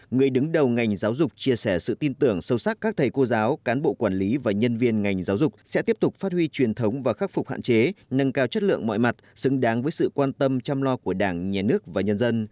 người đứng đầu ngành giáo dục chia sẻ sự tin tưởng sâu sắc các thầy cô giáo cán bộ quản lý và nhân viên ngành giáo dục sẽ tiếp tục phát huy truyền thống và khắc phục hạn chế nâng cao chất lượng mọi mặt xứng đáng với sự quan tâm chăm lo của đảng nhà nước và nhân dân